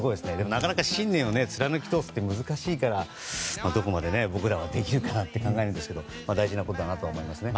なかなか信念を貫き通すって難しいから、どこまで僕らはできるかなと考えるんですけど大事なことだなと思いますね。